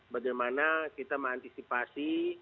bagaimana kita mengantisipasi